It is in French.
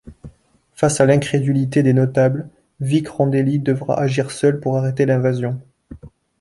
Face à l'incrédulité des notables Vic Rondelli devra agir seul pour arrêter l'invasion.